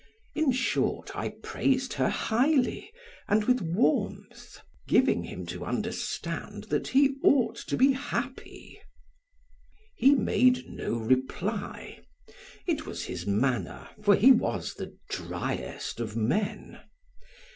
In short, I praised her highly and with warmth, giving him to understand that he ought to be happy. He made no reply. It was his manner, for he was the driest of men.